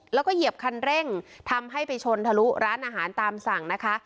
แล้วก็เหยียบคันเร่งทำให้ไปชนทะลุร้านอาหารตามสั่งนะคะ